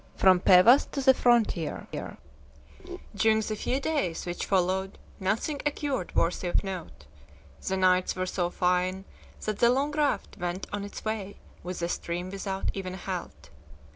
FROM PEVAS TO THE FRONTIER During the few days which followed nothing occurred worthy of note. The nights were so fine that the long raft went on its way with the stream without even a halt.